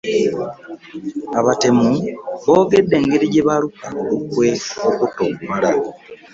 Abatemu boogedde engeri gye baaluka olukwe okutta omuwala.